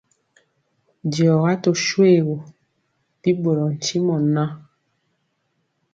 Diɔga tö shoégu, bi ɓorɔɔ ntimɔ ŋan,